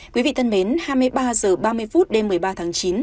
quý vị thân mến hai mươi ba h ba mươi phút đêm một mươi ba tháng chín